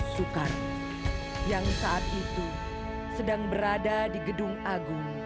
soekarno yang saat itu sedang berada di gedung agung